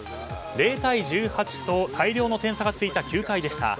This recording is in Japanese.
０対１８と大量の点差がついた９回でした。